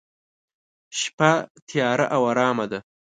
شپه تیاره او ارامه ده.